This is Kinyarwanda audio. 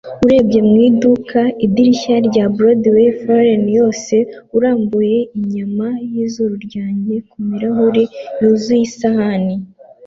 Urebye mu iduka-idirishya rya Broadway forenoon yose, urambuye inyama yizuru ryanjye kumirahuri yuzuye isahani,